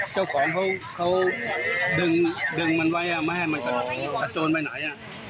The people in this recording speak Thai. เจ้าของเขาดึงมันไว้ไม่ให้มันกระโจนไปไหน